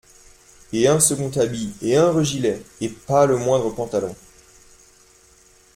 Et un second habit… et un regilet !… et pas le moindre pantalon !…